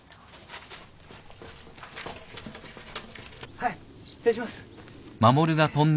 はい失礼します。